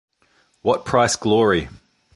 What Price Glory?